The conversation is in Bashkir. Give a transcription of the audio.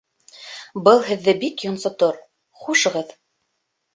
Был һеҙҙе бик йонсотор. Хушығыҙ